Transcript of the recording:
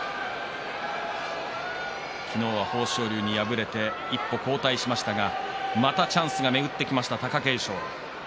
昨日は豊昇龍に敗れて一歩後退しましたがまたチャンスが巡ってきました貴景勝。